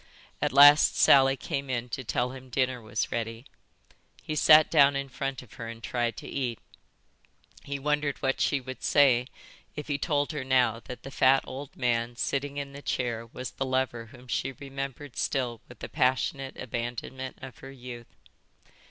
At last Sally came in to tell him dinner was ready. He sat down in front of her and tried to eat. He wondered what she would say if he told her now that the fat old man sitting in the chair was the lover whom she remembered still with the passionate abandonment of her youth.